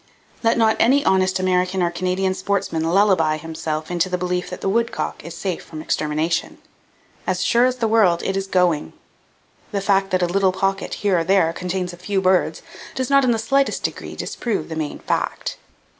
Let not any honest American or Canadian sportsman lullaby himself into the belief that the woodcock is safe from extermination. As sure as the world, it is going! The fact that a little pocket here or there contains a few birds does not in the slightest degree disprove the main fact.